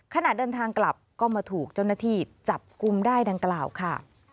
ขณะเดินทางกลับก็มาถูกเจ้าหน้าที่จับกลุ่มได้ดังกล่าวค่ะ